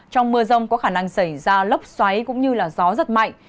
trong mưa rông có khả năng xảy ra lốc xoáy cũng như gió rất mạnh